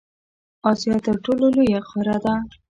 اسیا تر ټولو لویه قاره ده.